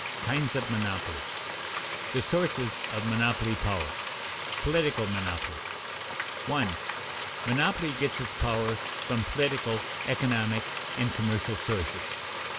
KINDS OF MONOPOLY [Sidenote: The sources of monopoly power] [Sidenote: Political monopoly] 1. _Monopoly gets its power from political, economic, and commercial sources.